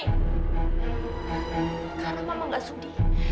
karena mama gak sudi